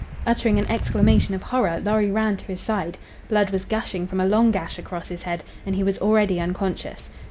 Uttering an exclamation of horror, Lorry ran to his side. Blood was gushing from a long gash across his head, and he was already unconscious.